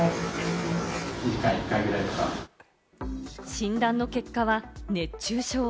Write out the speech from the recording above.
診断の結果は熱中症。